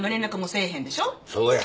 そうや。